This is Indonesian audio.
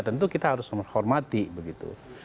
tentu kita harus menghormati begitu